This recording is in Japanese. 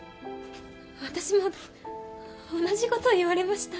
私も同じ事言われました。